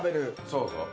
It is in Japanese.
そうそう。